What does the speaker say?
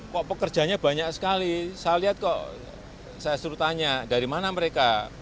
kok pekerjanya banyak sekali saya lihat kok saya suruh tanya dari mana mereka